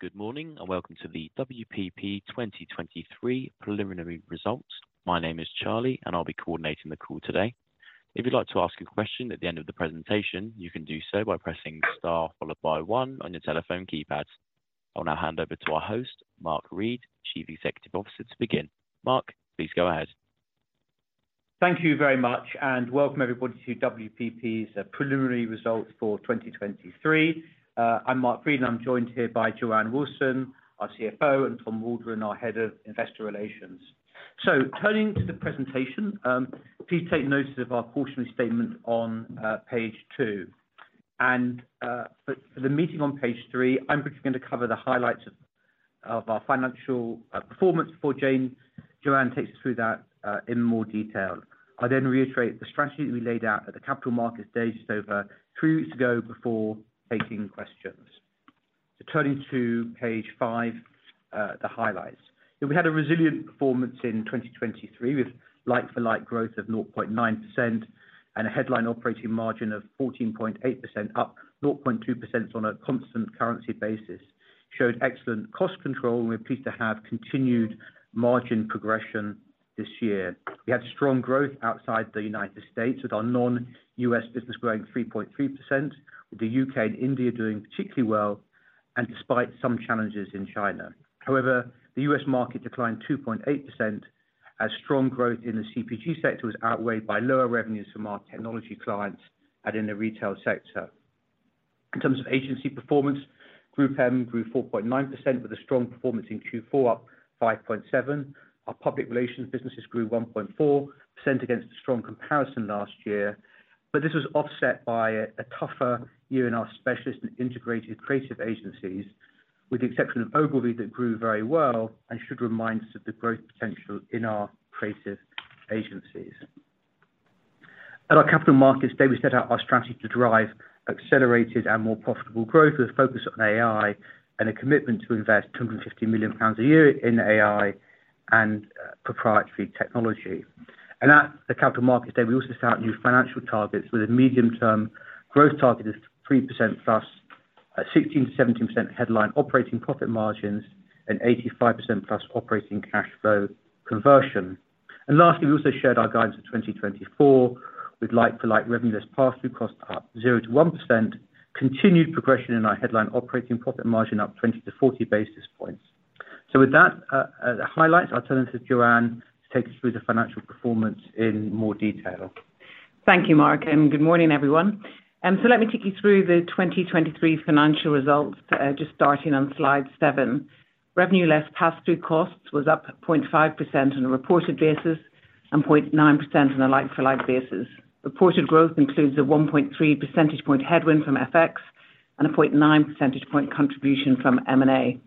Good morning and welcome to the WPP 2023 preliminary results. My name is Charlie, and I'll be coordinating the call today. If you'd like to ask a question at the end of the presentation, you can do so by pressing star followed by one on your telephone keypad. I'll now hand over to our host, Mark Read, Chief Executive Officer, to begin. Mark, please go ahead. Thank you very much, and welcome everybody to WPP's preliminary results for 2023. I'm Mark Read, and I'm joined here by Joanne Wilson, our CFO, and Tom Waldron, our Head of Investor Relations. Turning to the presentation, please take notice of our cautionary statement on page two. For the meeting on page three, I'm going to cover the highlights of our financial performance before Joanne takes us through that in more detail. I then reiterate the strategy that we laid out at the Capital Markets Day just over three weeks ago before taking questions. Turning to page five, the highlights. We had a resilient performance in 2023 with like-for-like growth of 0.9% and a headline operating margin of 14.8%, up 0.2% on a constant currency basis. Showed excellent cost control, and we're pleased to have continued margin progression this year. We had strong growth outside the United States with our non-US business growing 3.3%, with the UK and India doing particularly well, and despite some challenges in China. However, the US market declined 2.8% as strong growth in the CPG sector was outweighed by lower revenues from our technology clients and in the retail sector. In terms of agency performance, GroupM grew 4.9% with a strong performance in Q4, up 5.7%. Our public relations businesses grew 1.4% against a strong comparison last year, but this was offset by a tougher year in our specialist and integrated creative agencies, with the exception of Ogilvy that grew very well and should remind us of the growth potential in our creative agencies. At our Capital Markets Day, we set out our strategy to drive accelerated and more profitable growth with a focus on AI and a commitment to invest 250 million pounds a year in AI and proprietary technology. At the Capital Markets Day, we also set out new financial targets with a medium-term growth target of 3%+, 16%-17% headline operating profit margins, and 85%+ operating cash flow conversion. Lastly, we also shared our guidance for 2024 with like-for-like revenue less pass-through costs up 0%-1%, continued progression in our headline operating profit margin up 20 basis point to 40 basis points. With that, the highlights, I'll turn it to Joanne to take us through the financial performance in more detail. Thank you, Mark, and good morning, everyone. So let me take you through the 2023 financial results, just starting on slide seven. Revenue less pass-through costs was up 0.5% on a reported basis and 0.9% on a like-for-like basis. Reported growth includes a 1.3 percentage point headwind from FX and a 0.9 percentage point contribution from M&A.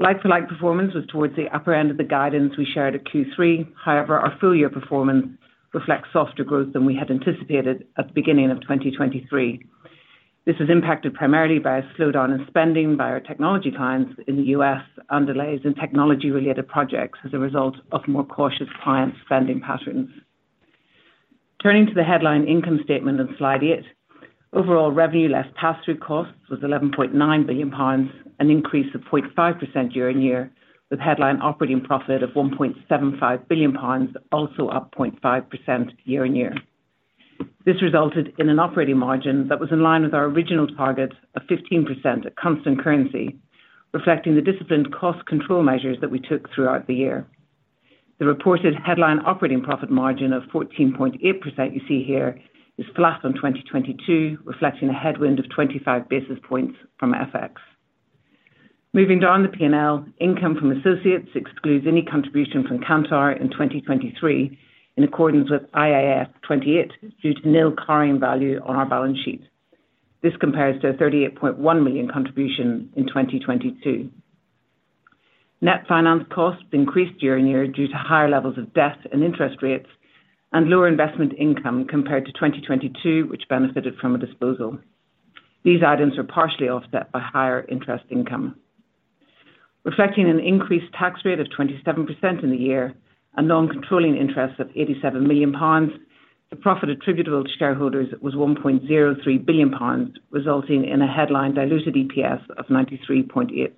Like-for-like performance was towards the upper end of the guidance we shared at Q3. However, our full-year performance reflects softer growth than we had anticipated at the beginning of 2023. This was impacted primarily by a slowdown in spending by our technology clients in the U.S., and delays in technology-related projects as a result of more cautious client spending patterns. Turning to the headline income statement on slide eight, overall revenue-less pass-through costs was GBP 11.9 billion, an increase of 0.5% year-on-year, with headline operating profit of GBP 1.75 billion, also up 0.5% year-on-year. This resulted in an operating margin that was in line with our original target of 15% at constant currency, reflecting the disciplined cost control measures that we took throughout the year. The reported headline operating profit margin of 14.8% you see here is flat on 2022, reflecting a headwind of 25 basis points from FX. Moving down the P&L, income from associates excludes any contribution from Kantar in 2023 in accordance with IAS 28 due to nil carrying value on our balance sheet. This compares to a 38.1 million contribution in 2022. Net finance costs increased year-on-year due to higher levels of debt and interest rates and lower investment income compared to 2022, which benefited from a disposal. These items were partially offset by higher interest income. Reflecting an increased tax rate of 27% in the year and non-controlling interests of GBP 87 million, the profit attributable to shareholders was GBP 1.03 billion, resulting in a headline diluted EPS of 0.938.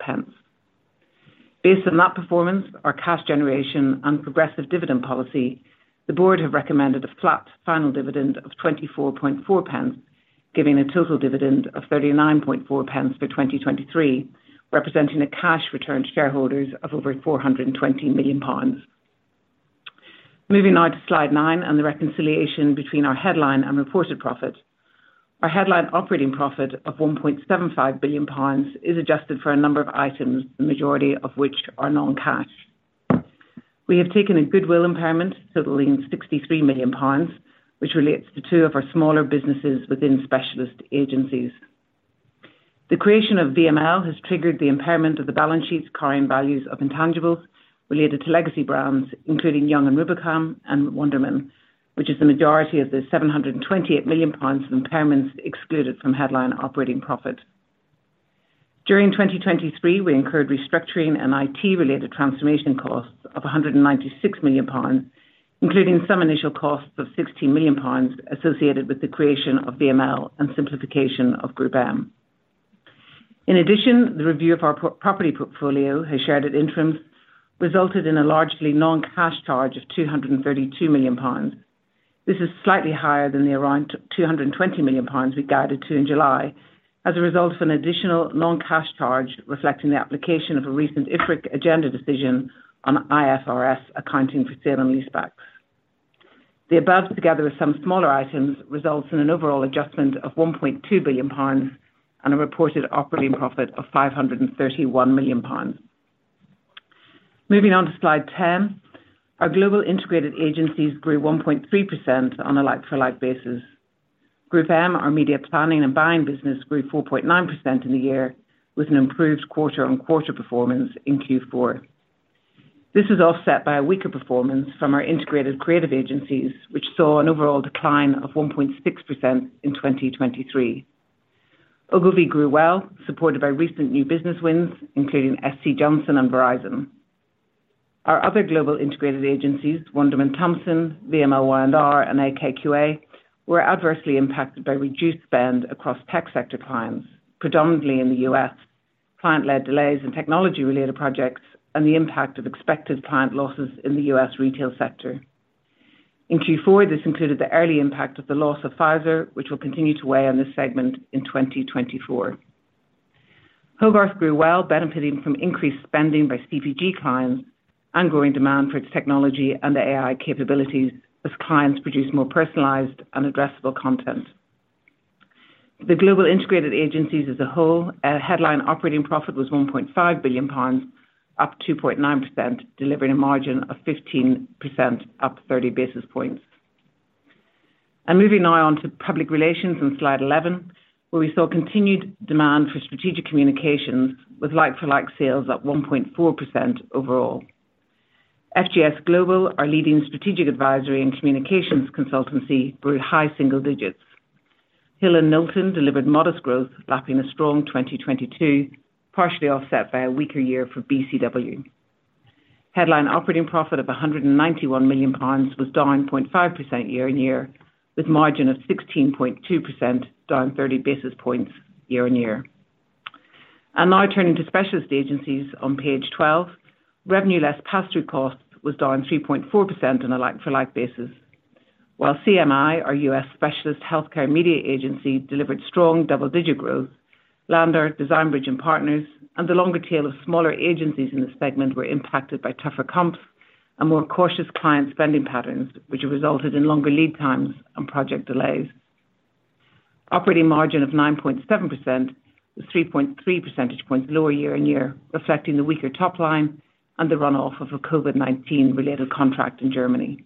Based on that performance, our cash generation and progressive dividend policy, the board have recommended a flat final dividend of 0.244, giving a total dividend of 0.394 for 2023, representing a cash return to shareholders of over 420 million pounds. Moving now to slide nine and the reconciliation between our headline and reported profit. Our headline operating profit of 1.75 billion pounds is adjusted for a number of items, the majority of which are non-cash. We have taken a goodwill impairment totaling 63 million pounds, which relates to two of our smaller businesses within specialist agencies. The creation of VML has triggered the impairment of the balance sheet's carrying values of intangibles related to legacy brands, including Young & Rubicam and, which is the majority of the 728 million pounds impairments excluded from headline operating profit. During 2023, we incurred restructuring and IT-related transformation costs of 196 million pounds, including some initial costs of 16 million pounds associated with the creation of VML and simplification of GroupM. In addition, the review of our property portfolio, as shared at interims, resulted in a largely non-cash charge of 232 million pounds. This is slightly higher than the around 220 million pounds we guided to in July as a result of an additional non-cash charge reflecting the application of a recent IFRIC agenda decision on IFRS accounting for sale and leasebacks. The above, together with some smaller items, results in an overall adjustment of 1.2 billion pounds and a reported operating profit of 531 million pounds. Moving on to slide 10, our global integrated agencies grew 1.3% on a like-for-like basis. GroupM, our media planning and buying business, grew 4.9% in the year with an improved quarter-on-quarter performance in Q4. This was offset by a weaker performance from our integrated creative agencies, which saw an overall decline of 1.6% in 2023. Ogilvy grew well, supported by recent new business wins, including SC Johnson and Verizon. Our other global integrated agencies, Wunderman Thompson, VMLY&R, and AKQA, were adversely impacted by reduced spend across tech sector clients, predominantly in the U.S., client-led delays in technology-related projects, and the impact of expected client losses in the U.S. retail sector. In Q4, this included the early impact of the loss of Pfizer, which will continue to weigh on this segment in 2024. Hogarth grew well, benefiting from increased spending by CPG clients and growing demand for its technology and AI capabilities as clients produce more personalized and addressable content. For the global integrated agencies as a whole, headline operating profit was 1.5 billion pounds, up 2.9%, delivering a margin of 15%, up 30 basis points. Moving now on to public relations on slide 11, where we saw continued demand for strategic communications with like-for-like sales up 1.4% overall. FGS Global, our leading strategic advisory and communications consultancy, brought high single digits. Hill & Knowlton delivered modest growth, lapping a strong 2022, partially offset by a weaker year for BCW. Headline operating profit of 191 million pounds was down 0.5% year-on-year, with a margin of 16.2%, down 30 basis points year-on-year. And now turning to specialist agencies on page 12, revenue-less pass-through costs was down 3.4% on a like-for-like basis. While CMI, our US specialist healthcare media agency, delivered strong double-digit growth, Landor, Design Bridge and Partners, and the longer tail of smaller agencies in this segment were impacted by tougher comps and more cautious client spending patterns, which resulted in longer lead times and project delays. Operating margin of 9.7% was 3.3 percentage points lower year-on-year, reflecting the weaker top line and the run-off of a COVID-19-related contract in Germany.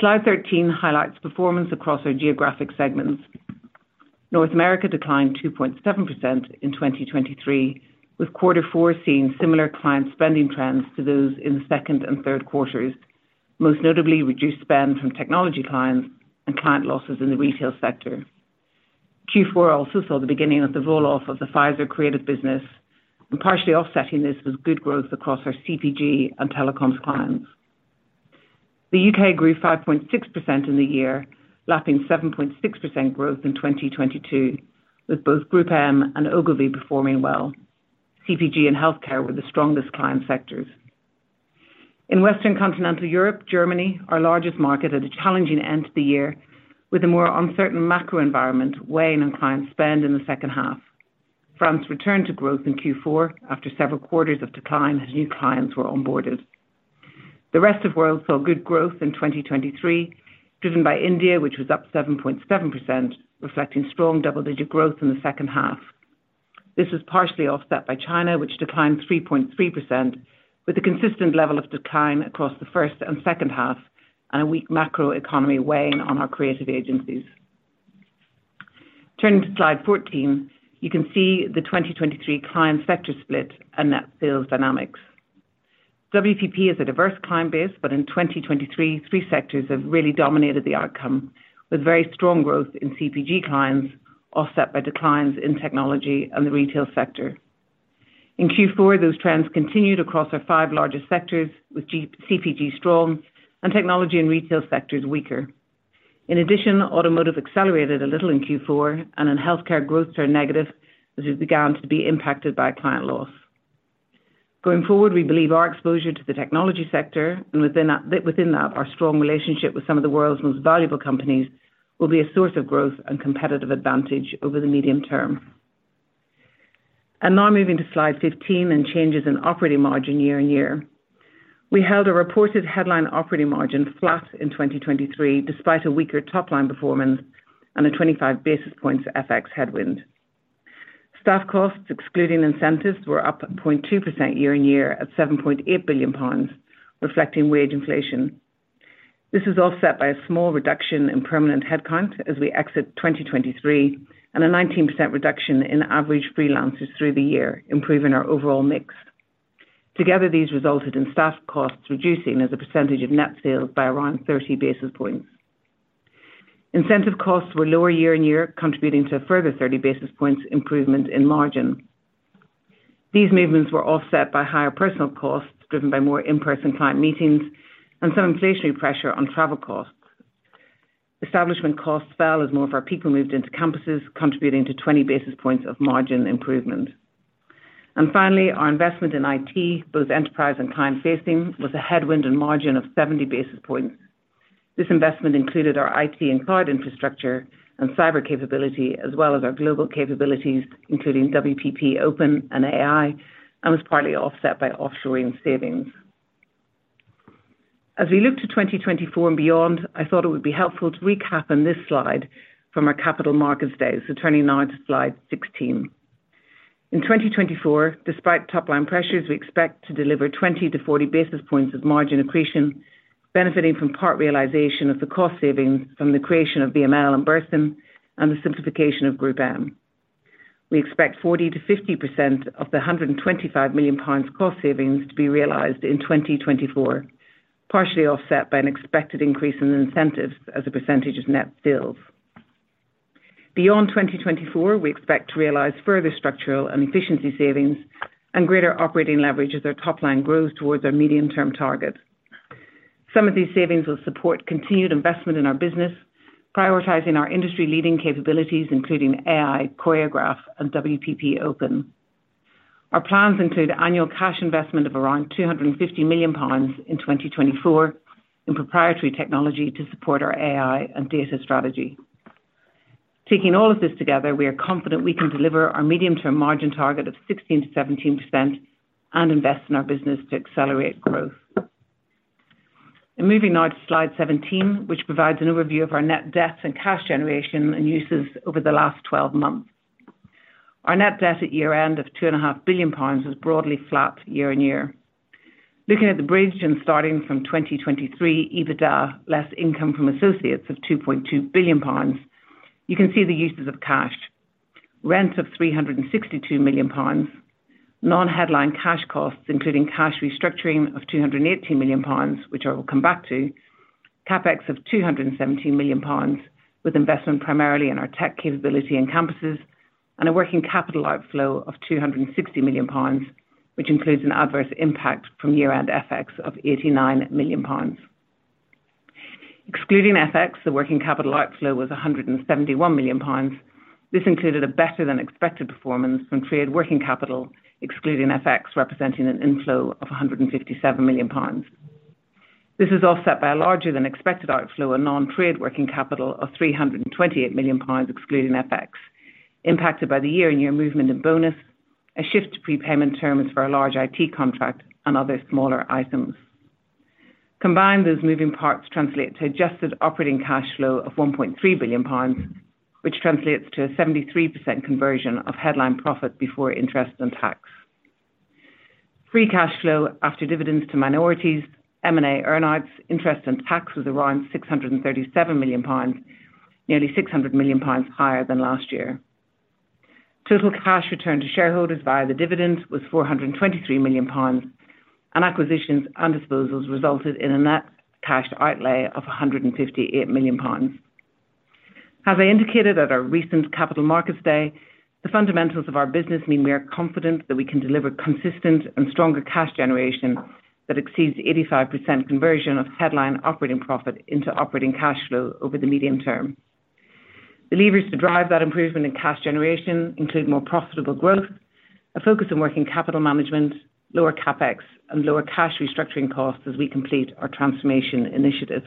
Slide 13 highlights performance across our geographic segments. North America declined 2.7% in 2023, with quarter four seeing similar client spending trends to those in the second and third quarters, most notably reduced spend from technology clients and client losses in the retail sector. Q4 also saw the beginning of the roll-off of the Pfizer creative business, and partially offsetting this was good growth across our CPG and telecoms clients. The UK grew 5.6% in the year, lapping 7.6% growth in 2022, with both GroupM and Ogilvy performing well, CPG and healthcare with the strongest client sectors. In Western Continental Europe, Germany, our largest market, had a challenging end to the year with a more uncertain macro environment weighing on client spend in the second half. France returned to growth in Q4 after several quarters of decline as new clients were onboarded. The rest of the world saw good growth in 2023, driven by India, which was up 7.7%, reflecting strong double-digit growth in the second half. This was partially offset by China, which declined 3.3%, with a consistent level of decline across the first and second half and a weak macro economy weighing on our creative agencies. Turning to slide 14, you can see the 2023 client sector split and net sales dynamics. WPP is a diverse client base, but in 2023, three sectors have really dominated the outcome, with very strong growth in CPG clients offset by declines in technology and the retail sector. In Q4, those trends continued across our five largest sectors, with CPG strong and technology and retail sectors weaker. In addition, automotive accelerated a little in Q4, and in healthcare, growth turned negative as it began to be impacted by client loss. Going forward, we believe our exposure to the technology sector and within that, our strong relationship with some of the world's most valuable companies will be a source of growth and competitive advantage over the medium term. Now moving to slide 15 and changes in operating margin year-over-year. We held a reported headline operating margin flat in 2023 despite a weaker top line performance and a 25 basis points FX headwind. Staff costs excluding incentives were up 0.2% year-over-year at 7.8 billion pounds, reflecting wage inflation. This was offset by a small reduction in permanent headcount as we exit 2023 and a 19% reduction in average freelancers through the year, improving our overall mix. Together, these resulted in staff costs reducing as a percentage of net sales by around 30 basis points. Incentive costs were lower year on year, contributing to a further 30 basis points improvement in margin. These movements were offset by higher personal costs driven by more in-person client meetings and some inflationary pressure on travel costs. Establishment costs fell as more of our people moved into campuses, contributing to 20 basis points of margin improvement. And finally, our investment in IT, both enterprise and client-facing, was a headwind and margin of 70 basis points. This investment included our IT and cloud infrastructure and cyber capability, as well as our global capabilities, including WPP Open and AI, and was partly offset by offshoring savings. As we look to 2024 and beyond, I thought it would be helpful to recap on this slide from our Capital Markets Day, so turning now to slide 16. In 2024, despite top line pressures, we expect to deliver 20 basis points to 40 basis points of margin accretion, benefiting from part realization of the cost savings from the creation of VML and Burson and the simplification of GroupM. We expect 40%-50% of the 125 million pounds cost savings to be realized in 2024, partially offset by an expected increase in incentives as a percentage of net sales. Beyond 2024, we expect to realize further structural and efficiency savings and greater operating leverage as our top line grows towards our medium-term target. Some of these savings will support continued investment in our business, prioritizing our industry-leading capabilities, including AI, Choreograph, and WPP Open. Our plans include annual cash investment of around 250 million pounds in 2024 in proprietary technology to support our AI and data strategy. Taking all of this together, we are confident we can deliver our medium-term margin target of 16%-17% and invest in our business to accelerate growth. Moving now to slide 17, which provides an overview of our net debt and cash generation and uses over the last 12 months. Our net debt at year-end of 2.5 billion pounds was broadly flat year-on-year. Looking at the bridge and starting from 2023 EBITDA, less income from associates of 2.2 billion pounds, you can see the uses of cash, rent of 362 million pounds, non-headline cash costs, including cash restructuring of 218 million pounds, which I will come back to, CapEx of 217 million pounds with investment primarily in our tech capability and campuses, and a working capital outflow of 260 million pounds, which includes an adverse impact from year-end FX of 89 million pounds. Excluding FX, the working capital outflow was 171 million pounds. This included a better-than-expected performance from traded working capital, excluding FX, representing an inflow of 157 million pounds. This is offset by a larger-than-expected outflow of non-traded working capital of 328 million pounds, excluding FX, impacted by the year-on-year movement in bonus, a shift to prepayment terms for a large IT contract, and other smaller items. Combined, those moving parts translate to adjusted operating cash flow of 1.3 billion pounds, which translates to a 73% conversion of headline profit before interest and tax. Free cash flow after dividends to minorities, M&A earnings, interest, and tax was around 637 million pounds, nearly 600 million pounds higher than last year. Total cash returned to shareholders via the dividends was 423 million pounds, and acquisitions and disposals resulted in a net cash outlay of 158 million pounds. As I indicated at our recent Capital Markets Day, the fundamentals of our business mean we are confident that we can deliver consistent and stronger cash generation that exceeds 85% conversion of headline operating profit into operating cash flow over the medium term. The levers to drive that improvement in cash generation include more profitable growth, a focus on working capital management, lower CapEx, and lower cash restructuring costs as we complete our transformation initiatives.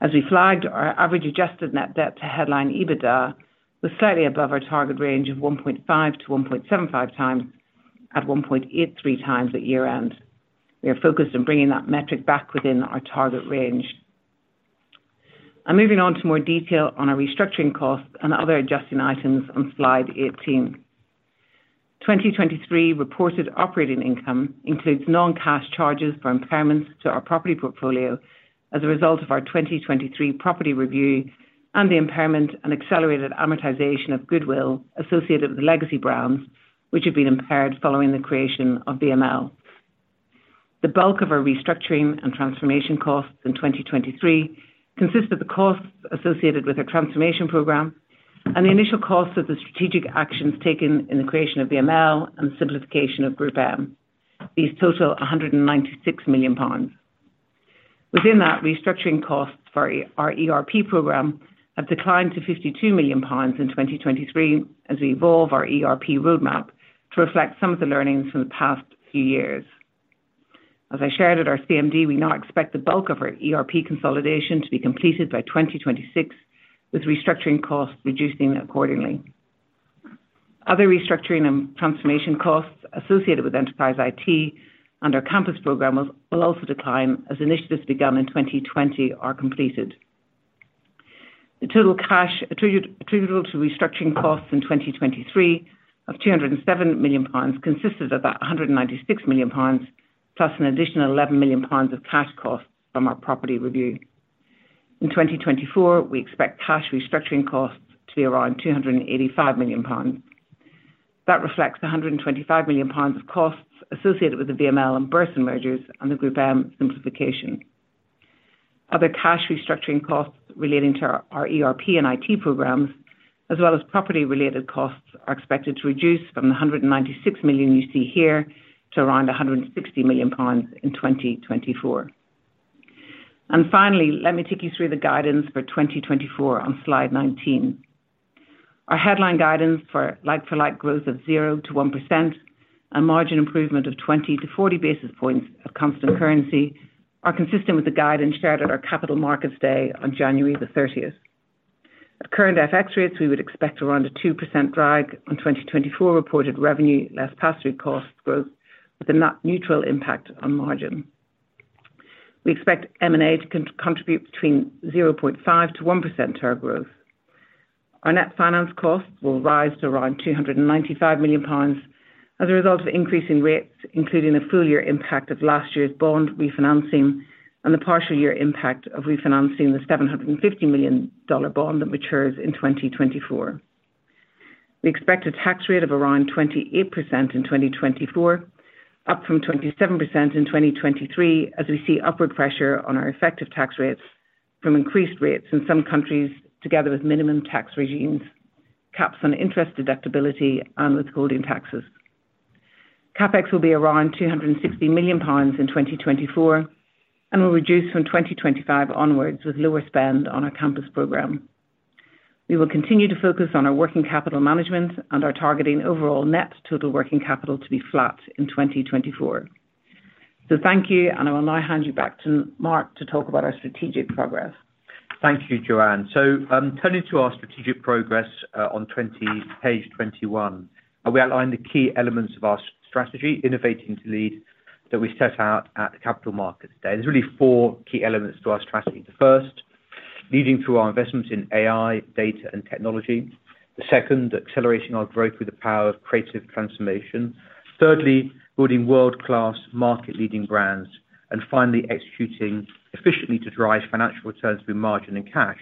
As we flagged, our average adjusted net debt to headline EBITDA was slightly above our target range of 1.5-1.75 times at 1.83 times at year-end. We are focused on bringing that metric back within our target range. Moving on to more detail on our restructuring costs and other adjusting items on slide 18. 2023 reported operating income includes non-cash charges for impairments to our property portfolio as a result of our 2023 property review and the impairment and accelerated amortization of goodwill associated with the legacy brands, which have been impaired following the creation of VML. The bulk of our restructuring and transformation costs in 2023 consist of the costs associated with our transformation program and the initial costs of the strategic actions taken in the creation of VML and the simplification of Group M. These total 196 million pounds. Within that, restructuring costs for our ERP program have declined to 52 million pounds in 2023 as we evolve our ERP roadmap to reflect some of the learnings from the past few years. As I shared at our CMD, we now expect the bulk of our ERP consolidation to be completed by 2026, with restructuring costs reducing accordingly. Other restructuring and transformation costs associated with enterprise IT and our campus program will also decline as initiatives begun in 2020 are completed. The total cash attributable to restructuring costs in 2023 of 207 million pounds consisted of that 196 million pounds plus an additional 11 million pounds of cash costs from our property review. In 2024, we expect cash restructuring costs to be around 285 million pounds. That reflects 125 million pounds of costs associated with the VML and Burson mergers and the GroupM simplification. Other cash restructuring costs relating to our ERP and IT programs, as well as property-related costs, are expected to reduce from the 196 million you see here to around 160 million pounds in 2024. And finally, let me take you through the guidance for 2024 on slide 19. Our headline guidance for like-for-like growth of 0%-1% and margin improvement of 20 basis points to 40 basis points at constant currency are consistent with the guidance shared at our Capital Markets Day on January 30th. At current FX rates, we would expect around a 2% drag on 2024 reported revenue less pass-through costs growth with a neutral impact on margin. We expect M&A to contribute between 0.5%-1% to our growth. Our net finance costs will rise to around 295 million pounds as a result of increasing rates, including the full-year impact of last year's bond refinancing and the partial-year impact of refinancing the $750 million bond that matures in 2024. We expect a tax rate of around 28% in 2024, up from 27% in 2023 as we see upward pressure on our effective tax rates from increased rates in some countries together with minimum tax regimes, caps on interest deductibility, and withholding taxes. CapEx will be around 260 million pounds in 2024 and will reduce from 2025 onwards with lower spend on our campus program. We will continue to focus on our working capital management and our targeting overall net total working capital to be flat in 2024. Thank you, and I will now hand you back to Mark to talk about our strategic progress. Thank you, Joanne. Turning to our strategic progress on page 21, we outlined the key elements of our strategy, Innovating to Lead, that we set out at the Capital Markets Day. There's really four key elements to our strategy. The first, leading through our investments in AI, data, and technology. The second, accelerating our growth with the power of creative transformation. Thirdly, building world-class market-leading brands. And finally, executing efficiently to drive financial returns through margin and cash.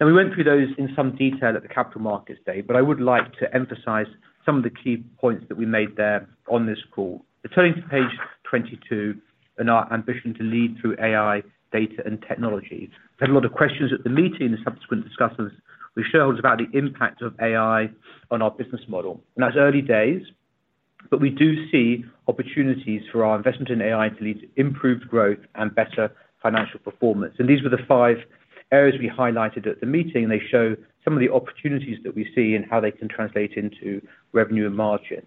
We went through those in some detail at the Capital Markets Day, but I would like to emphasize some of the key points that we made there on this call. Turning to page 22 and our ambition to lead through AI, data, and technology. We had a lot of questions at the meeting and subsequent discussions we shared with us about the impact of AI on our business model. That's early days, but we do see opportunities for our investment in AI to lead to improved growth and better financial performance. These were the five areas we highlighted at the meeting, and they show some of the opportunities that we see and how they can translate into revenue and margin.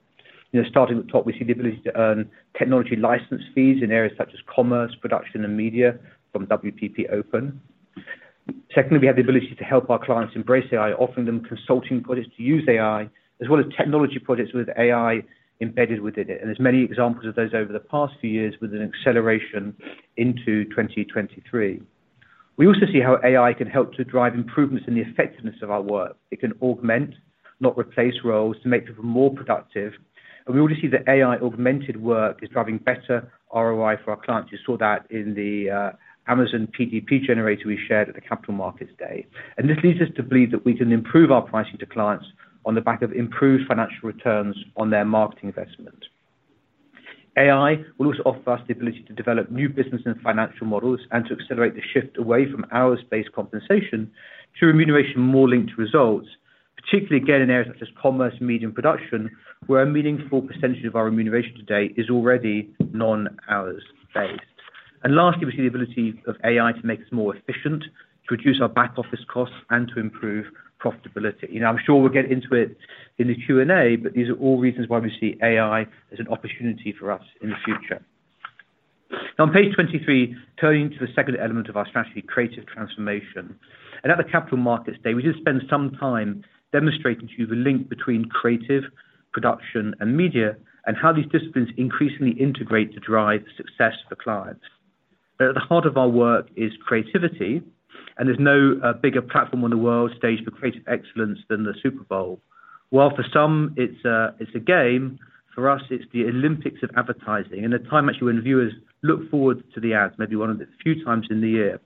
Starting at the top, we see the ability to earn technology license fees in areas such as commerce, production, and media from WPP Open. Secondly, we have the ability to help our clients embrace AI, offering them consulting projects to use AI, as well as technology projects with AI embedded within it. There's many examples of those over the past few years with an acceleration into 2023. We also see how AI can help to drive improvements in the effectiveness of our work. It can augment, not replace roles, to make people more productive. We already see that AI-augmented work is driving better ROI for our clients. You saw that in the Amazon PDP generator we shared at the Capital Markets Day. This leads us to believe that we can improve our pricing to clients on the back of improved financial returns on their marketing investment. AI will also offer us the ability to develop new business and financial models and to accelerate the shift away from hours-based compensation to remuneration more linked to results, particularly again in areas such as commerce, media, and production, where a meaningful percentage of our remuneration today is already non-hours-based. Lastly, we see the ability of AI to make us more efficient, to reduce our back-office costs, and to improve profitability. I'm sure we'll get into it in the Q&A, but these are all reasons why we see AI as an opportunity for us in the future. Now, on page 23, turning to the second element of our strategy, creative transformation. At the Capital Markets Day, we did spend some time demonstrating to you the link between creative, production, and media, and how these disciplines increasingly integrate to drive success for clients. At the heart of our work is creativity, and there's no bigger platform in the world staged for creative excellence than the Super Bowl. While for some, it's a game, for us, it's the Olympics of advertising and a time actually when viewers look forward to the ads, maybe one of the few times in the year.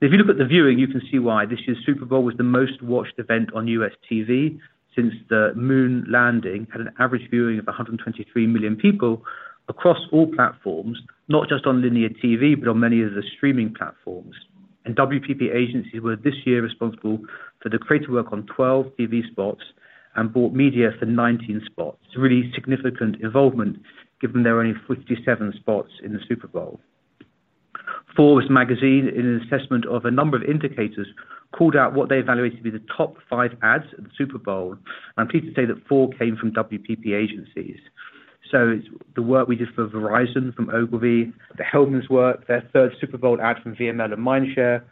If you look at the viewing, you can see why. This year, the Super Bowl was the most watched event on U.S. TV since the moon landing, had an average viewing of 123 million people across all platforms, not just on linear TV, but on many of the streaming platforms. WPP agencies were this year responsible for the creative work on 12 TV spots and bought media for 19 spots. It's really significant involvement given there are only 57 spots in the Super Bowl. Forbes magazine, in an assessment of a number of indicators, called out what they evaluated to be the top five ads at the Super Bowl. I'm pleased to say that four came from WPP agencies. So it's the work we did for Verizon from Ogilvy, the Hellmann's work, their third Super Bowl ad from VML and Mindshare,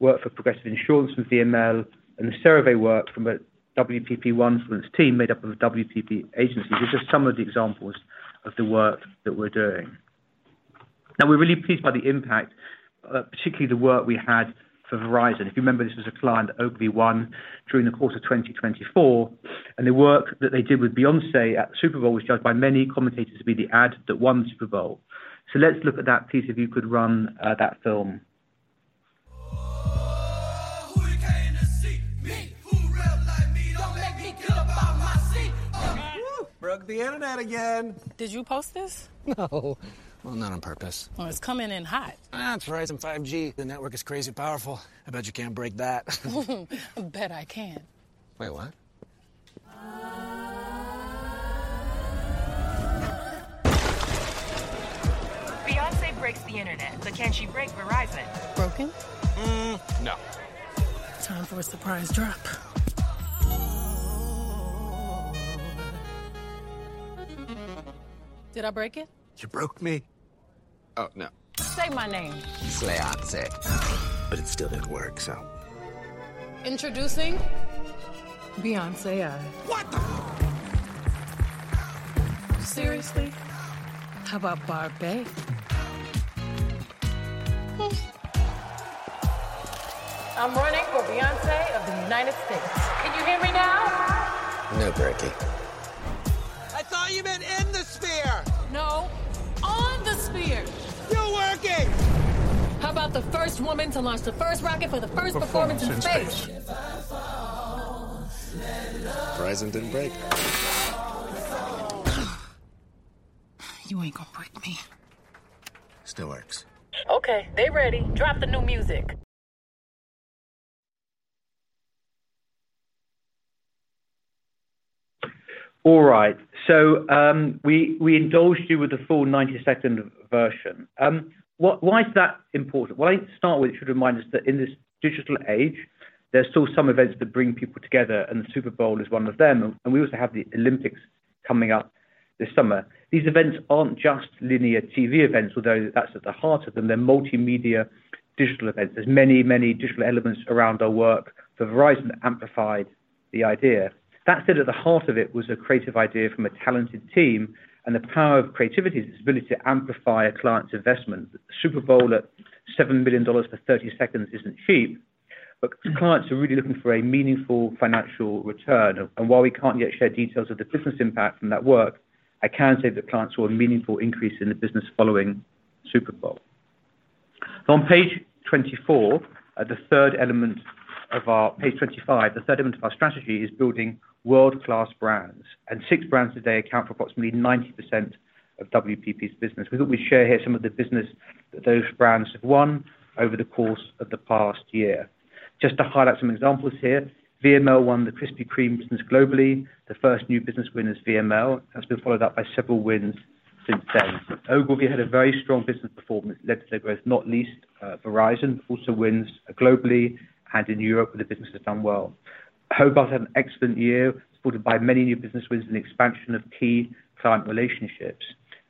work for Progressive Insurance from VML, and the CeraVe work from a WPP Onefluence team made up of WPP agencies. These are just some of the examples of the work that we're doing. Now, we're really pleased by the impact, particularly the work we had for Verizon. If you remember, this was a client Ogilvy won during the course of 2024. And the work that they did with Beyoncé at the Super Bowl was judged by many commentators to be the ad that won the Super Bowl. So let's look at that, please, if you could run that film. Who came to see me? Who read like me? Don't make me get up out my seat. Whoo! Broke the internet again. Did you post this? No. Well, not on purpose. Oh, it's coming in hot. That's Verizon 5G. The network is crazy powerful. I bet you can't break that. I bet I can. Wait, what? Beyoncé breaks the internet, but can she break Verizon? Broken? No. Time for a surprise drop. Did I break it? You broke me. Oh, no. Say my name Slayoncé But it still didn't work, so. Introducing Beyonc-AI. What the? Seriously? How about BarBey? I'm running for Beyoncé of the United States. Can you hear me now? No, Bot-y. I thought you meant in the sphere. No. On the sphere. You're working. How about the first woman to launch the first rocket for the first performance in space? Verizon didn't break. You ain't going to break me. Still works. Okay. They ready. Drop the new music. All right. So we indulged you with the full 90-second version. Why is that important? What I need to start with, it should remind us that in this digital age, there's still some events that bring people together, and the Super Bowl is one of them. We also have the Olympics coming up this summer. These events aren't just linear TV events, although that's at the heart of them. They're multimedia digital events. There's many, many digital elements around our work. For Verizon, that amplified the idea. That said, at the heart of it was a creative idea from a talented team and the power of creativity, its ability to amplify a client's investment. The Super Bowl at $7 million for 30 seconds isn't cheap, but clients are really looking for a meaningful financial return. While we can't yet share details of the business impact from that work, I can say that clients saw a meaningful increase in the business following the Super Bowl. On page 24, the third element of our page 25, the third element of our strategy is building world-class brands. Six brands today account for approximately 90% of WPP's business. We thought we'd share here some of the business that those brands have won over the course of the past year. Just to highlight some examples here, VML won the Krispy Kreme business globally. The first new business win is VML. That's been followed up by several wins since then. Ogilvy had a very strong business performance that led to their growth, not least Verizon, but also wins globally and in Europe where the business has done well. Hogarth had an excellent year, supported by many new business wins and the expansion of key client relationships.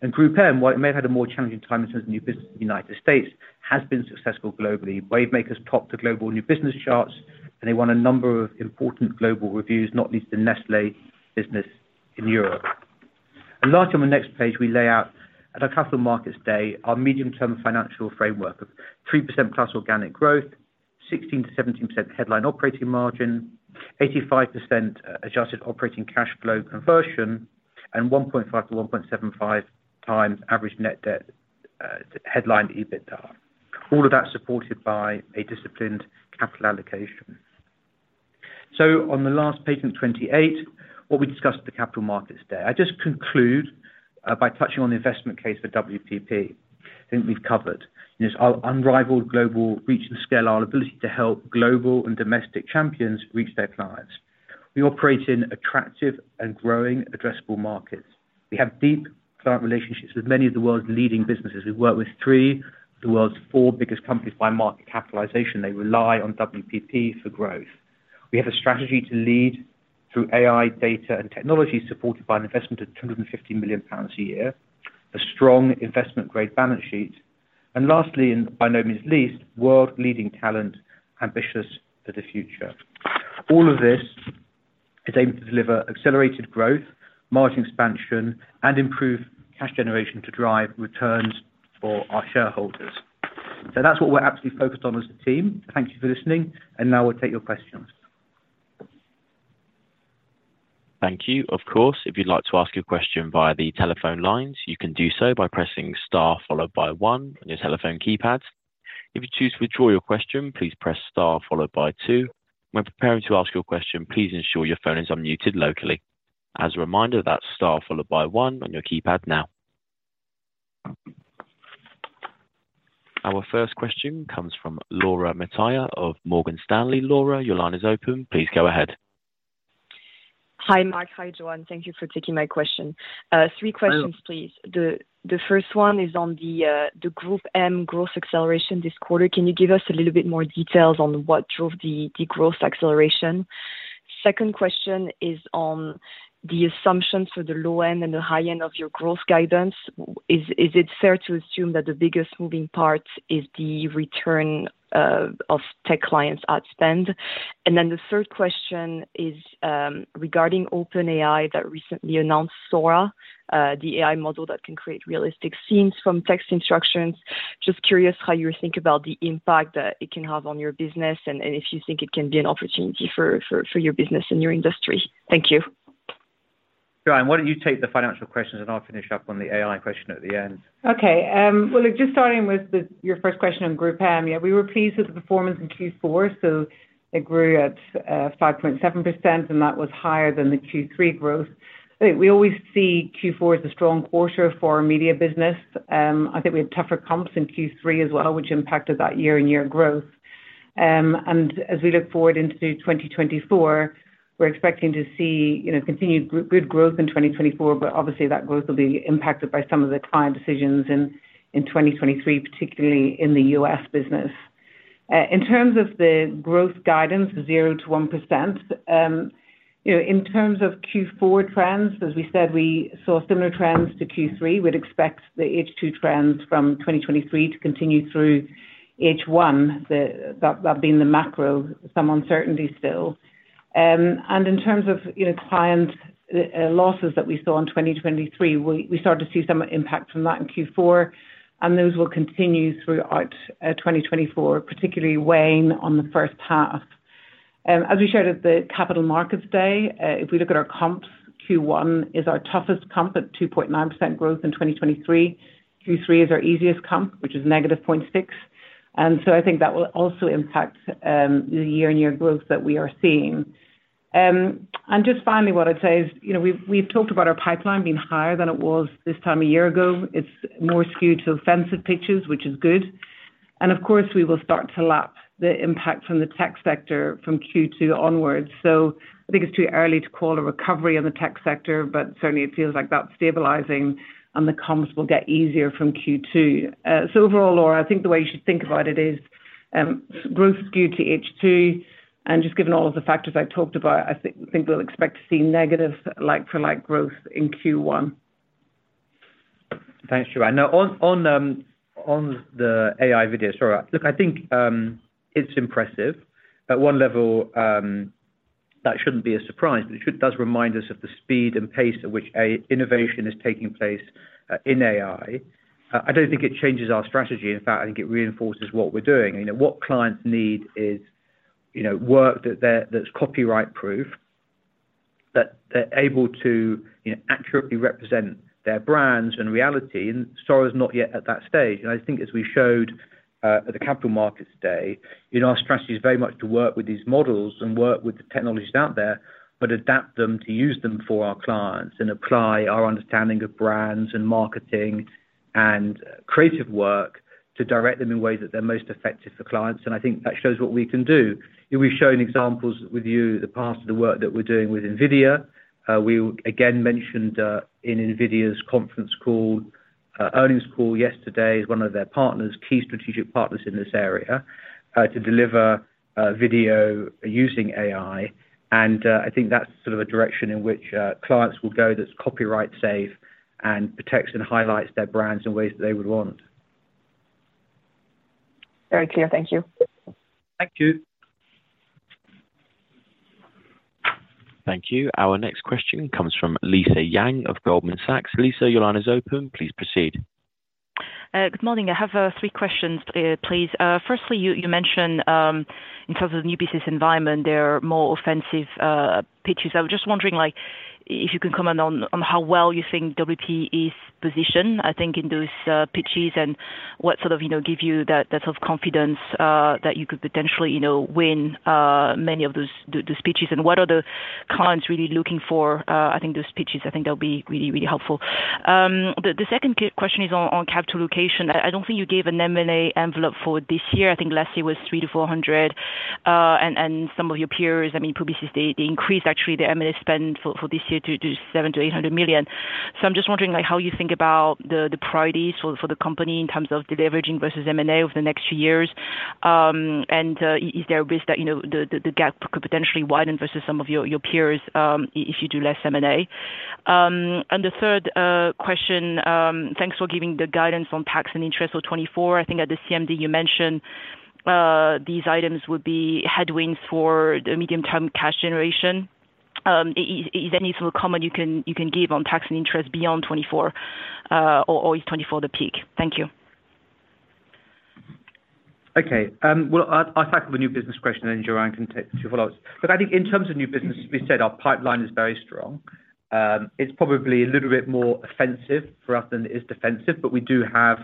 GroupM, while it may have had a more challenging time in terms of new business in the United States, has been successful globally. Wavemaker's topped the global new business charts, and they won a number of important global reviews, not least the Nestlé business in Europe. Lastly, on the next page, we lay out at our Capital Markets Day our medium-term financial framework of 3%+ organic growth, 16%-17% headline operating margin, 85% adjusted operating cash flow conversion, and 1.5 times-1.75 times average net debt headline EBITDA. All of that supported by a disciplined capital allocation. On the last page, on 28, what we discussed at the Capital Markets Day, I just conclude by touching on the investment case for WPP. I think we've covered our unrivaled global reach and scale, our ability to help global and domestic champions reach their clients. We operate in attractive and growing, addressable markets. We have deep client relationships with many of the world's leading businesses. We work with three of the world's four biggest companies by market capitalization. They rely on WPP for growth. We have a strategy to lead through AI, data, and technology supported by an investment of 250 million pounds a year, a strong investment-grade balance sheet, and lastly, and by no means least, world-leading talent, ambitious for the future. All of this is aimed to deliver accelerated growth, margin expansion, and improved cash generation to drive returns for our shareholders. So that's what we're absolutely focused on as a team. So thank you for listening, and now we'll take your questions. Thank you. Of course, if you'd like to ask your question via the telephone lines, you can do so by pressing Star followed by one on your telephone keypad. If you choose to withdraw your question, please press Star followed by two. When preparing to ask your question, please ensure your phone is unmuted locally. As a reminder, that's Star followed by one on your keypad now. Our first question comes from Laura Metayer of Morgan Stanley. Laura, your line is open. Please go ahead. Hi, Mark. Hi, Joanne. Thank you for taking my question. Three questions, please. The first one is on the GroupM growth acceleration this quarter. Can you give us a little bit more details on what drove the growth acceleration? Second question is on the assumptions for the low end and the high end of your growth guidance. Is it fair to assume that the biggest moving part is the return of tech clients at spend? And then the third question is regarding OpenAI that recently announced Sora, the AI model that can create realistic scenes from text instructions. Just curious how you think about the impact that it can have on your business and if you think it can be an opportunity for your business and your industry. Thank you. Joanne, why don't you take the financial questions, and I'll finish up on the AI question at the end? Okay. Well, just starting with your first question on GroupM, yeah, we were pleased with the performance in Q4, so it grew at 5.7%, and that was higher than the Q3 growth. I think we always see Q4 as a strong quarter for our media business. I think we had tougher comps in Q3 as well, which impacted that year-on-year growth. And as we look forward into 2024, we're expecting to see continued good growth in 2024, but obviously, that growth will be impacted by some of the client decisions in 2023, particularly in the U.S. business. In terms of the growth guidance, 0%-1%, in terms of Q4 trends, as we said, we saw similar trends to Q3. We'd expect the H2 trends from 2023 to continue through H1. That'd be in the macro, some uncertainty still. In terms of client losses that we saw in 2023, we started to see some impact from that in Q4, and those will continue throughout 2024, particularly weighing on the first half. As we shared at the Capital Markets Day, if we look at our comps, Q1 is our toughest comp at 2.9% growth in 2023. Q3 is our easiest comp, which is -0.6%. So I think that will also impact the year-on-year growth that we are seeing. Just finally, what I'd say is we've talked about our pipeline being higher than it was this time a year ago. It's more skewed to offensive pitches, which is good. Of course, we will start to lap the impact from the tech sector from Q2 onwards. I think it's too early to call a recovery in the tech sector, but certainly, it feels like that's stabilizing, and the comps will get easier from Q2. Overall, Laura, I think the way you should think about it is growth skewed to H2, and just given all of the factors I talked about, I think we'll expect to see negative Like-for-Like growth in Q1. Thanks, Joanne. Now, on the AI video, sorry. Look, I think it's impressive. At one level, that shouldn't be a surprise, but it does remind us of the speed and pace at which innovation is taking place in AI. I don't think it changes our strategy. In fact, I think it reinforces what we're doing. What clients need is work that's copyright-proof, that they're able to accurately represent their brands and reality, and Sora's not yet at that stage. And I think as we showed at the Capital Markets Day, our strategy is very much to work with these models and work with the technologies out there, but adapt them to use them for our clients and apply our understanding of brands and marketing and creative work to direct them in ways that they're most effective for clients. And I think that shows what we can do. We've shown examples with you of the past of the work that we're doing with NVIDIA. We, again, mentioned in NVIDIA's conference call, earnings call yesterday, as one of their partners, key strategic partners in this area, to deliver video using AI. And I think that's sort of a direction in which clients will go that's copyright-safe and protects and highlights their brands in ways that they would want. Very clear. Thank you. Thank you. Thank you. Our next question comes from Lisa Yang of Goldman Sachs. Lisa, your line is open. Please proceed. Good morning. I have three questions, please. Firstly, you mentioned in terms of the new business environment, there are more offensive pitches. I was just wondering if you can comment on how well you think WPP is positioned, I think, in those pitches and what sort of give you that sort of confidence that you could potentially win many of those pitches. And what are the clients really looking for, I think, those pitches? I think that'll be really, really helpful. The second question is on capital allocation. I don't think you gave an M&A envelope for this year. I think last year was £300 million-£400 million. And some of your peers, I mean, Publicis, they increased, actually, their M&A spend for this year to £700 million-£800 million. I'm just wondering how you think about the priorities for the company in terms of leveraging versus M&A over the next few years. Is there a risk that the gap could potentially widen versus some of your peers if you do less M&A? The third question, thanks for giving the guidance on tax and interest for 2024. I think at the CMD, you mentioned these items would be headwinds for the medium-term cash generation. Is there any comment you can give on tax and interest beyond 2024, or is 2024 the peak? Thank you. Okay. Well, I'll tackle the new business question, and then Joanne can take two follow-ups. Look, I think in terms of new business, as we said, our pipeline is very strong. It's probably a little bit more offensive for us than it is defensive, but we do have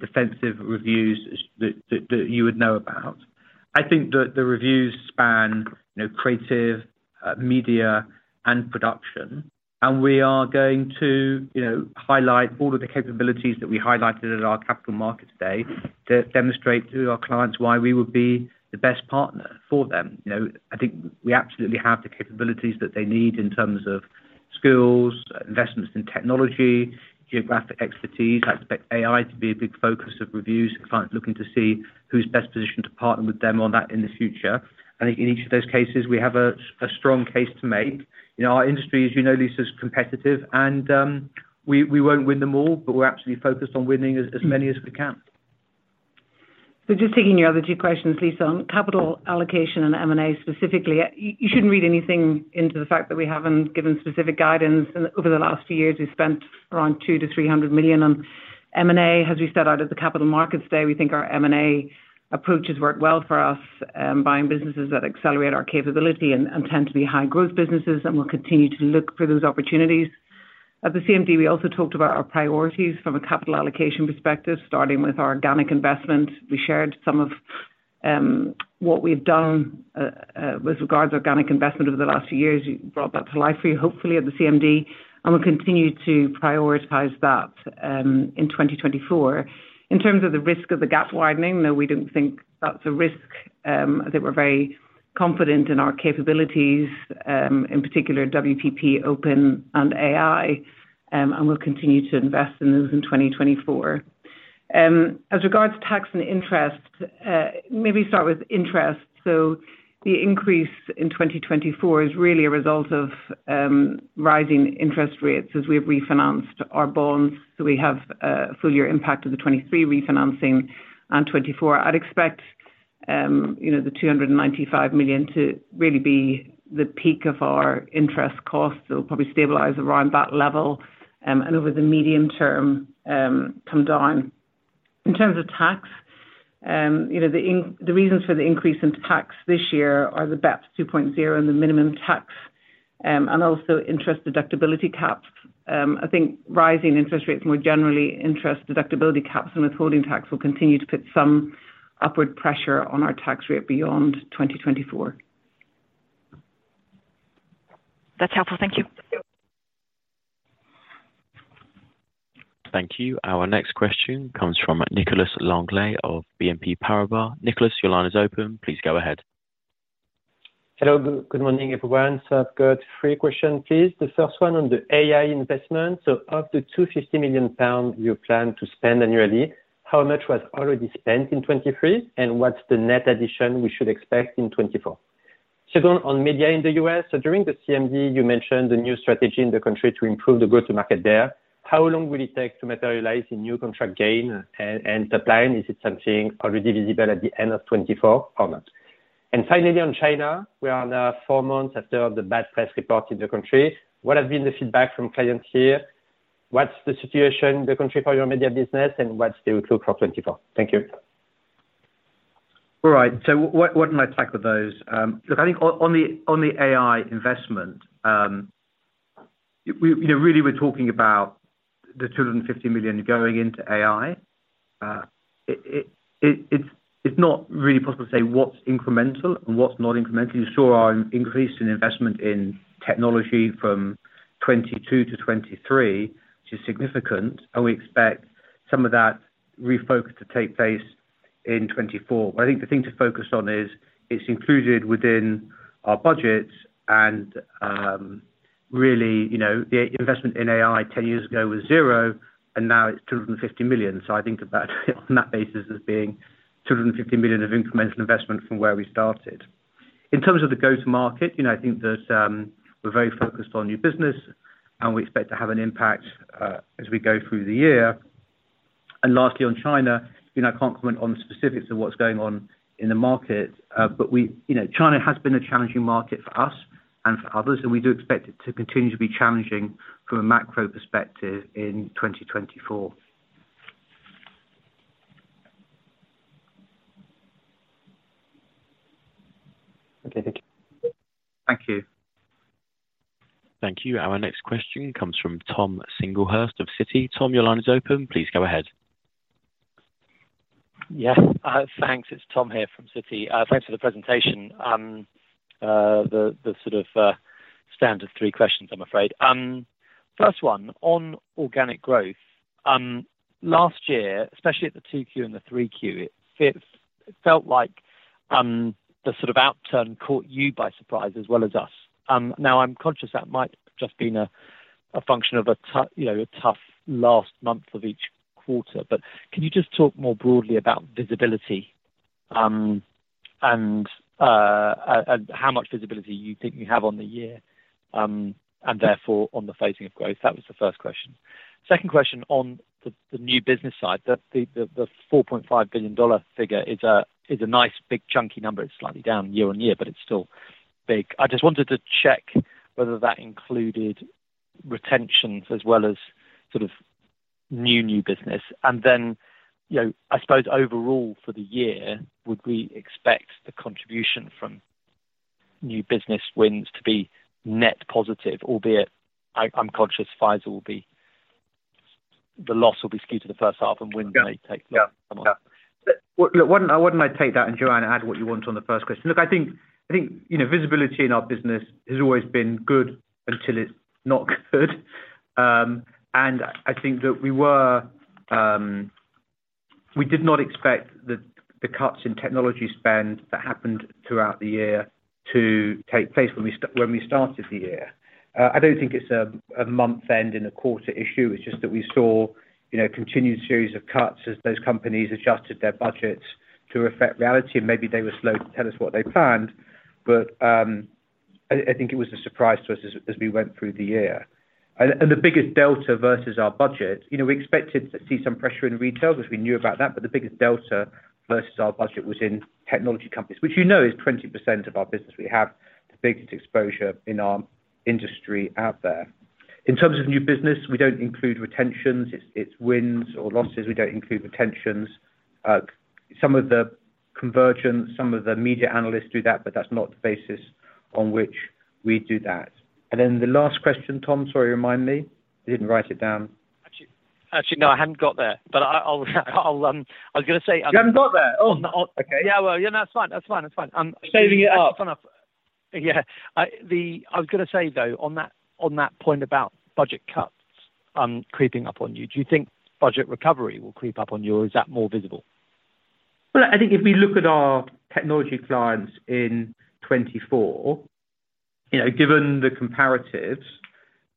defensive reviews that you would know about. I think the reviews span creative, media, and production. We are going to highlight all of the capabilities that we highlighted at our Capital Markets Day to demonstrate to our clients why we would be the best partner for them. I think we absolutely have the capabilities that they need in terms of skills, investments in technology, geographic expertise. I expect AI to be a big focus of reviews. Clients are looking to see who's best positioned to partner with them on that in the future. I think in each of those cases, we have a strong case to make. Our industry, as you know, Lisa, is competitive, and we won't win them all, but we're absolutely focused on winning as many as we can. So just taking your other two questions, Lisa, on capital allocation and M&A specifically, you shouldn't read anything into the fact that we haven't given specific guidance. Over the last few years, we've spent around 200 million-300 million on M&A. As we said out at the Capital Markets Day, we think our M&A approach has worked well for us, buying businesses that accelerate our capability and tend to be high-growth businesses, and we'll continue to look for those opportunities. At the CMD, we also talked about our priorities from a capital allocation perspective, starting with our organic investment. We shared some of what we've done with regards to organic investment over the last few years. We brought that to life for you, hopefully, at the CMD, and we'll continue to prioritize that in 2024. In terms of the risk of the gap widening, though, we don't think that's a risk. I think we're very confident in our capabilities, in particular WPP Open, and AI, and we'll continue to invest in those in 2024. As regards to tax and interest, maybe start with interest. So the increase in 2024 is really a result of rising interest rates as we have refinanced our bonds. So we have a full-year impact of the 2023 refinancing and 2024. I'd expect the 295 million to really be the peak of our interest costs. It'll probably stabilize around that level and over the medium term come down. In terms of tax, the reasons for the increase in tax this year are the BEPS 2.0 and the minimum tax and also interest deductibility caps. I think rising interest rates, more generally, interest deductibility caps and withholding tax will continue to put some upward pressure on our tax rate beyond 2024. That's helpful. Thank you. Thank you. Our next question comes from Nicholas Langlet of BNP Paribas. Nicholas, your line is open. Please go ahead. Hello. Good morning, everyone. So I've got three questions, please. The first one on the AI investment. So of the 250 million pounds you plan to spend annually, how much was already spent in 2023, and what's the net addition we should expect in 2024? Second, on media in the US. So during the CMD, you mentioned the new strategy in the country to improve the growth to market there. How long will it take to materialize a new contract gain and pipeline? Is it something already visible at the end of 2024 or not? And finally, on China, we are now four months after the bad press report in the country. What has been the feedback from clients here? What's the situation in the country for your media business, and what's the outlook for 2024? Thank you. All right. So what can I tackle with those? Look, I think on the AI investment, really, we're talking about the 250 million going into AI. It's not really possible to say what's incremental and what's not incremental. You saw our increase in investment in technology from 2022 to 2023, which is significant, and we expect some of that refocus to take place in 2024. But I think the thing to focus on is it's included within our budgets and really the investment in AI 10 years ago was 0, and now it's 250 million. So I think about it on that basis as being 250 million of incremental investment from where we started. In terms of the growth to market, I think that we're very focused on new business, and we expect to have an impact as we go through the year. And lastly, on China, I can't comment on the specifics of what's going on in the market, but China has been a challenging market for us and for others, and we do expect it to continue to be challenging from a macro perspective in 2024. Okay. Thank you. Thank you. Thank you. Our next question comes from Tom Singlehurst of Citi. Tom, your line is open. Please go ahead. Yes. Thanks. It's Tom here from Citi. Thanks for the presentation, the sort of standard three questions, I'm afraid. First one, on organic growth, last year, especially at the 2Q and the 3Q, it felt like the sort of outturn caught you by surprise as well as us. Now, I'm conscious that might have just been a function of a tough last month of each quarter, but can you just talk more broadly about visibility and how much visibility you think you have on the year and therefore on the facing of growth? That was the first question. Second question, on the new business side, the $4.5 billion figure is a nice big, chunky number. It's slightly down year-on-year, but it's still big. I just wanted to check whether that included retentions as well as sort of new, new business. I suppose overall for the year, would we expect the contribution from new business wins to be net positive, albeit I'm conscious Pfizer, the loss, will be skewed to the first half, and wins may take longer to come on? Yeah. Yeah. Look, why don't I take that and Joanne add what you want on the first question? Look, I think visibility in our business has always been good until it's not good. And I think that we did not expect the cuts in technology spend that happened throughout the year to take place when we started the year. I don't think it's a month-end and a quarter issue. It's just that we saw a continued series of cuts as those companies adjusted their budgets to reflect reality, and maybe they were slow to tell us what they planned, but I think it was a surprise to us as we went through the year. And the biggest delta versus our budget, we expected to see some pressure in retail because we knew about that, but the biggest delta versus our budget was in technology companies, which you know is 20% of our business. We have the biggest exposure in our industry out there. In terms of new business, we don't include retentions. It's wins or losses. We don't include retentions. Some of the convergence, some of the media analysts do that, but that's not the basis on which we do that. And then the last question, Tom, sorry you remind me. I didn't write it down. Actually, no, I hadn't got there. But I was going to say. You haven't got there? Oh, okay. Yeah. Well, yeah, no, that's fine. That's fine. That's fine. Saving it up. That's fun. Yeah. I was going to say, though, on that point about budget cuts creeping up on you, do you think budget recovery will creep up on you, or is that more visible? Well, I think if we look at our technology clients in 2024, given the comparatives,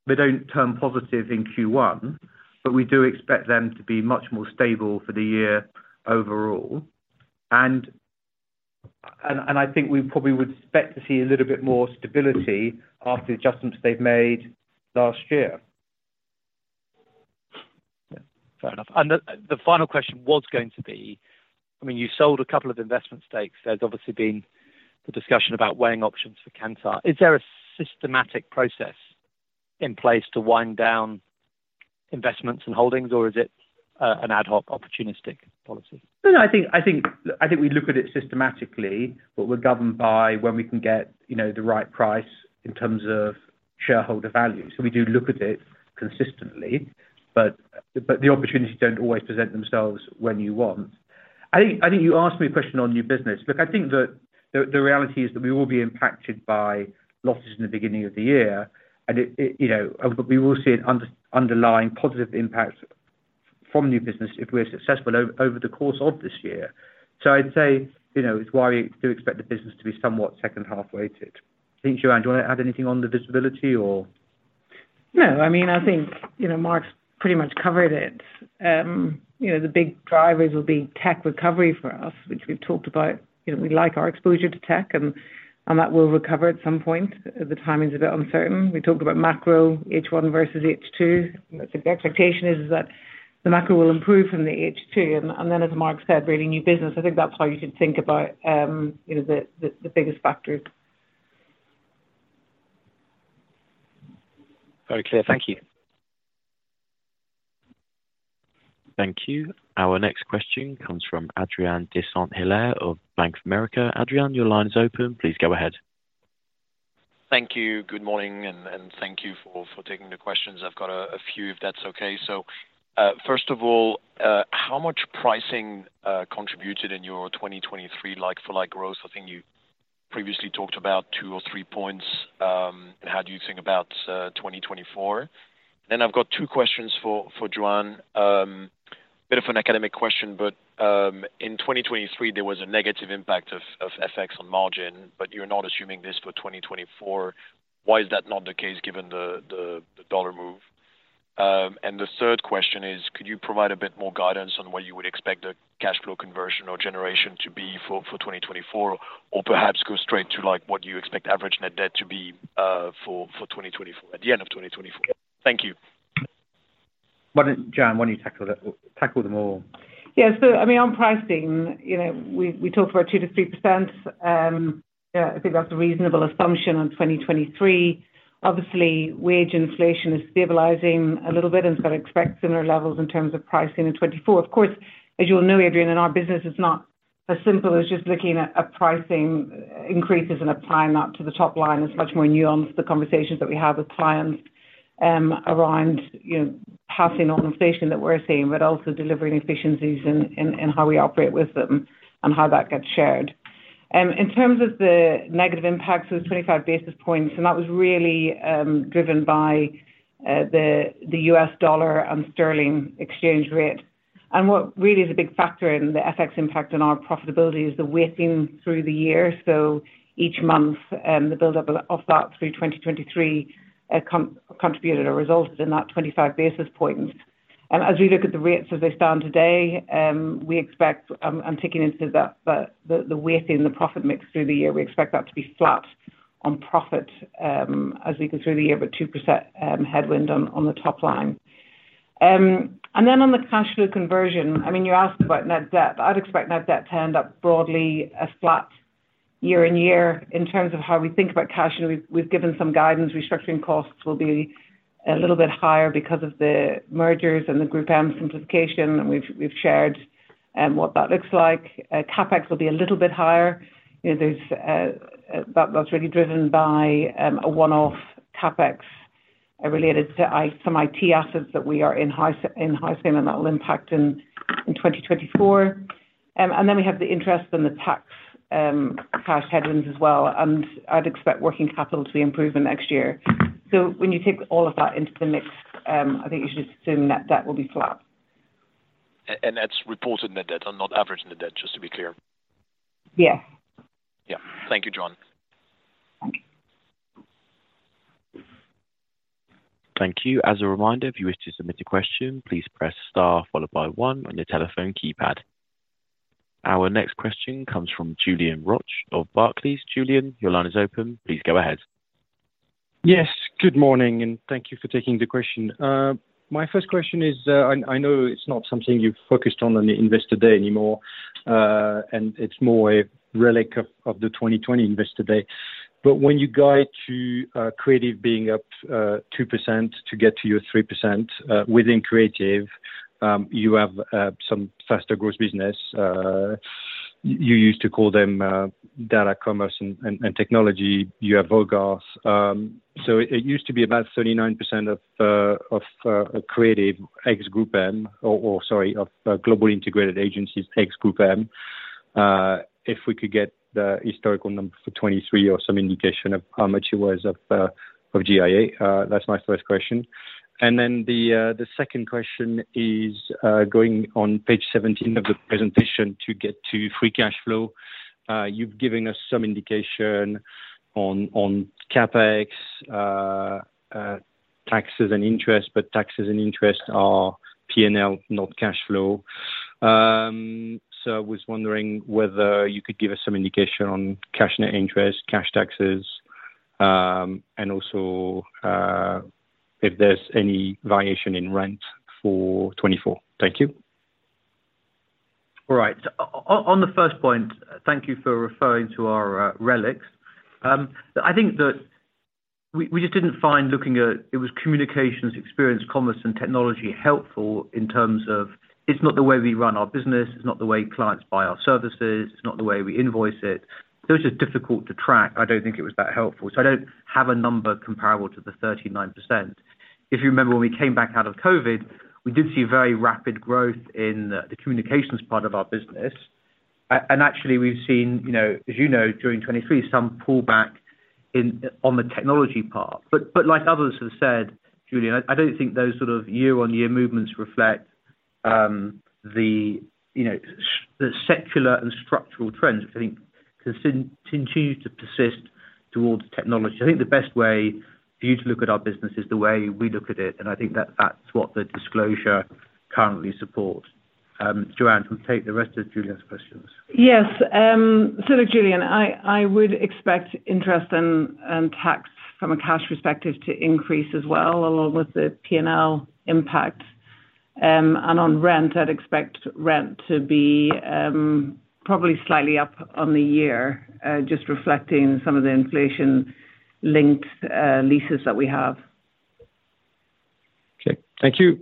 they don't turn positive in Q1, but we do expect them to be much more stable for the year overall. And I think we probably would expect to see a little bit more stability after the adjustments they've made last year. Yeah. Fair enough. And the final question was going to be I mean, you sold a couple of investment stakes. There's obviously been the discussion about weighing options for Kantar. Is there a systematic process in place to wind down investments and holdings, or is it an ad hoc opportunistic policy? No, no. I think we look at it systematically, but we're governed by when we can get the right price in terms of shareholder value. So we do look at it consistently, but the opportunities don't always present themselves when you want. I think you asked me a question on new business. Look, I think that the reality is that we will be impacted by losses in the beginning of the year, but we will see an underlying positive impact from new business if we're successful over the course of this year. So I'd say it's why we do expect the business to be somewhat second-half weighted. I think, Joanne, do you want to add anything on the visibility, or? No. I mean, I think Mark's pretty much covered it. The big drivers will be tech recovery for us, which we've talked about. We like our exposure to tech, and that will recover at some point. The timing's a bit uncertain. We talked about macro, H1 versus H2. The expectation is that the macro will improve from the H2. Then, as Mark said, really new business. I think that's how you should think about the biggest factors. Very clear. Thank you. Thank you. Our next question comes from Adrien de Saint Hilaire of Bank of America. Adrien, your line is open. Please go ahead. Thank you. Good morning, and thank you for taking the questions. I've got a few, if that's okay. So first of all, how much pricing contributed in your 2023 for growth? I think you previously talked about 2 points or 3 points in how do you think about 2024. And then I've got two questions for Joanne. Bit of an academic question, but in 2023, there was a negative impact of FX on margin, but you're not assuming this for 2024. Why is that not the case given the dollar move? And the third question is, could you provide a bit more guidance on what you would expect the cash flow conversion or generation to be for 2024, or perhaps go straight to what you expect average net debt to be for 2024 at the end of 2024? Thank you. Joanne, why don't you tackle them all? Yeah. So I mean, on pricing, we talked about 2%-3%. I think that's a reasonable assumption on 2023. Obviously, wage inflation is stabilizing a little bit and it's got to expect similar levels in terms of pricing in 2024. Of course, as you'll know, Adrienne, in our business, it's not as simple as just looking at pricing increases and applying that to the top line. It's much more nuanced, the conversations that we have with clients around passing on inflation that we're seeing, but also delivering efficiencies in how we operate with them and how that gets shared. In terms of the negative impact, so it was 25 basis points, and that was really driven by the U.S. dollar and sterling exchange rate. And what really is a big factor in the FX impact on our profitability is the weighting through the year. So each month, the buildup of that through 2023 contributed or resulted in that 25 basis points. And as we look at the rates as they stand today, we expect, I'm talking into the weighting, the profit mix through the year. We expect that to be flat on profit as we go through the year but 2% headwind on the top line. And then on the cash flow conversion, I mean, you asked about net debt. I'd expect net debt to end up broadly a flat year-on-year in terms of how we think about cash. And we've given some guidance. Restructuring costs will be a little bit higher because of the mergers and the GroupM simplification, and we've shared what that looks like. CapEx will be a little bit higher. That's really driven by a one-off CapEx related to some IT assets that we are in-housing, and that will impact in 2024. And then we have the interest and the tax cash headwinds as well, and I'd expect working capital to be improved next year. So when you take all of that into the mix, I think you should just assume net debt will be flat. That's reported net debt and not average net debt, just to be clear. Yes. Yeah. Thank you, Joanne. Thank you. Thank you. As a reminder, if you wish to submit a question, please press star followed by one on your telephone keypad. Our next question comes from Julien Roch of Barclays. Julien, your line is open. Please go ahead. Yes. Good morning, and thank you for taking the question. My first question is, I know it's not something you focused on on the Investor Day anymore, and it's more a relic of the 2020 Investor Day. But when you go to creative being up 2% to get to your 3% within creative, you have some faster growth business. You used to call them data commerce and technology. You have Hogarth. So it used to be about 39% of creative ex-Group M or sorry, of global integrated agencies ex-Group M. If we could get the historical number for 2023 or some indication of how much it was of GIA, that's my first question. And then the second question is going on page 17 of the presentation to get to free cash flow. You've given us some indication on CapEx, taxes, and interest, but taxes and interest are P&L, not cash flow. So I was wondering whether you could give us some indication on cash net interest, cash taxes, and also if there's any variation in rent for 2024. Thank you. All right. So on the first point, thank you for referring to our results. I think that we just didn't find looking at it as communications, experience, commerce, and technology helpful in terms of it's not the way we run our business. It's not the way clients buy our services. It's not the way we invoice it. It was just difficult to track. I don't think it was that helpful. So I don't have a number comparable to the 39%. If you remember when we came back out of COVID, we did see very rapid growth in the communications part of our business. And actually, we've seen, as you know, during 2023, some pullback on the technology part. But like others have said, Julien, I don't think those sort of year-on-year movements reflect the secular and structural trends, which I think continue to persist towards technology. I think the best way for you to look at our business is the way we look at it, and I think that that's what the disclosure currently supports. Joanne, can we take the rest of Julien's questions? Yes. Look, Julien, I would expect interest and tax from a cash perspective to increase as well along with the P&L impact. On rent, I'd expect rent to be probably slightly up on the year just reflecting some of the inflation-linked leases that we have. Okay. Thank you.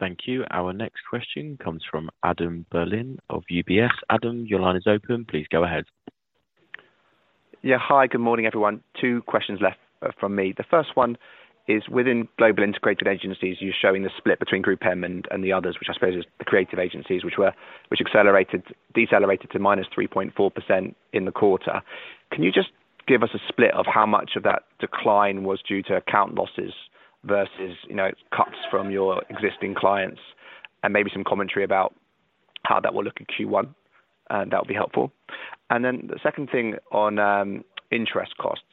Thank you. Our next question comes from Adam Berlin of UBS. Adam, your line is open. Please go ahead. Yeah. Hi. Good morning, everyone. Two questions left from me. The first one is within global integrated agencies, you're showing the split between GroupM and the others, which I suppose is the creative agencies, which decelerated to -3.4% in the quarter. Can you just give us a split of how much of that decline was due to account losses versus cuts from your existing clients and maybe some commentary about how that will look in Q1? That would be helpful. And then the second thing on interest costs.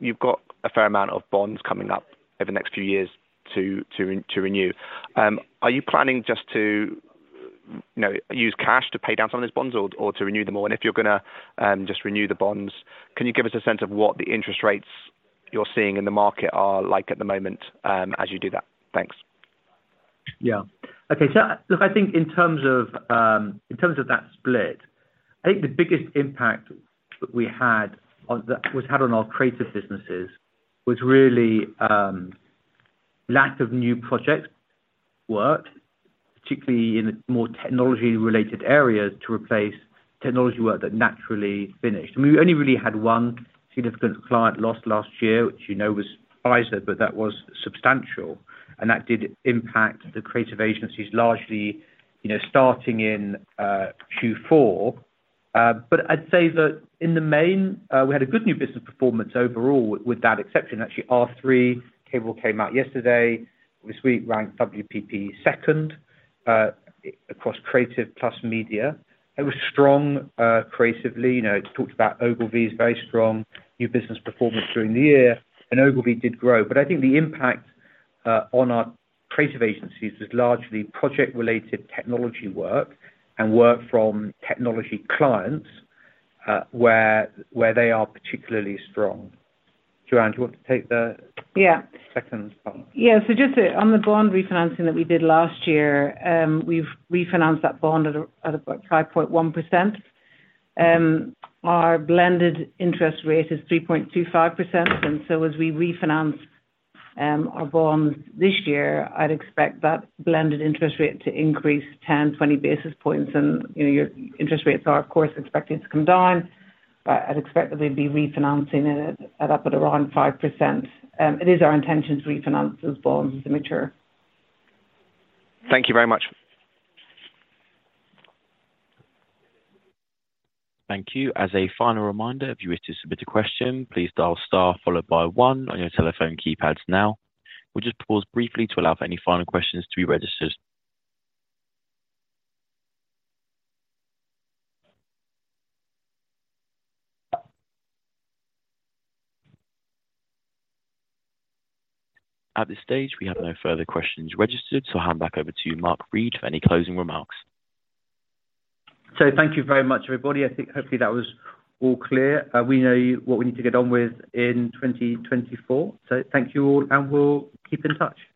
You've got a fair amount of bonds coming up over the next few years to renew. Are you planning just to use cash to pay down some of these bonds or to renew them all? If you're going to just renew the bonds, can you give us a sense of what the interest rates you're seeing in the market are like at the moment as you do that? Thanks. Yeah. Okay. So look, I think in terms of that split, I think the biggest impact that we had on our creative businesses was really lack of new project work, particularly in more technology-related areas to replace technology work that naturally finished. And we only really had one significant client loss last year, which you know was Pfizer, but that was substantial. And that did impact the creative agencies largely starting in Q4. But I'd say that in the main, we had a good new business performance overall with that exception. Actually, R3 came out yesterday. This week, ranked WPP second across creative plus media. It was strong creatively. It talked about Ogilvy's very strong new business performance during the year, and Ogilvy did grow. But I think the impact on our creative agencies was largely project-related technology work and work from technology clients where they are particularly strong. Joanne, do you want to take the second part? Yeah. So just on the bond refinancing that we did last year, we've refinanced that bond at about 5.1%. Our blended interest rate is 3.25%. And so as we refinance our bonds this year, I'd expect that blended interest rate to increase 10 basis points to 20 basis points. And your interest rates are, of course, expected to come down, but I'd expect that they'd be refinancing it at around 5%. It is our intention to refinance those bonds as they mature. Thank you very much. Thank you. As a final reminder, if you wish to submit a question, please dial star followed by one on your telephone keypads now. We'll just pause briefly to allow for any final questions to be registered. At this stage, we have no further questions registered, so I'll hand back over to Mark Read for any closing remarks. Thank you very much, everybody. I think hopefully that was all clear. We know what we need to get on with in 2024. Thank you all, and we'll keep in touch.